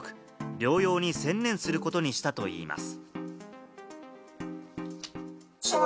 療養に専念することにしたといいます。